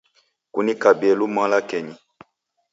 Kunikabie lumalwakenyi.